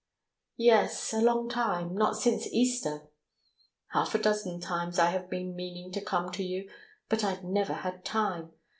"Yes, a long time, not since Easter." "Half a dozen times I have been meaning to come to you, but I've never had time.